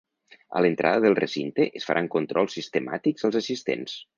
A l’entrada del recinte es faran controls sistemàtics als assistents.